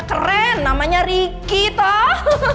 keren namanya ricky toh